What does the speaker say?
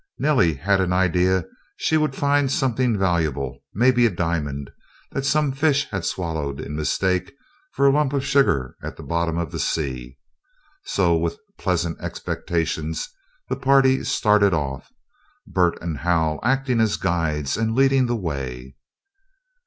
Nellie had an idea she would find something valuable, maybe a diamond, that some fish had swallowed in mistake for a lump of sugar at the bottom of the sea. So, with pleasant expectations, the party started off, Bert and Hal acting as guides, and leading the way.